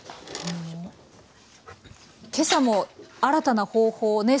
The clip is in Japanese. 今朝も新たな方法をね